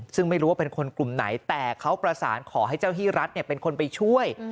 ซึ่งไม่รู้ว่าเป็นคนกลุ่มไหนแต่เขาประสานขอให้เจ้าที่รัฐเป็นคนไปช่วย